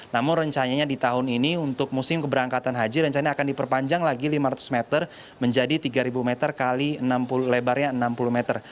namun rencananya di tahun ini untuk musim keberangkatan haji rencana akan diperpanjang lagi lima ratus meter menjadi tiga meter kali lebarnya enam puluh meter